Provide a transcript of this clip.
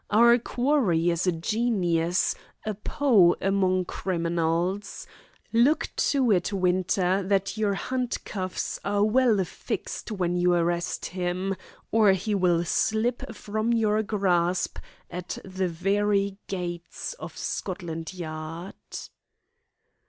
Our quarry is a genius, a Poe among criminals. Look to it, Winter, that your handcuffs are well fixed when you arrest him, or he will slip from your grasp at the very gates of Scotland Yard."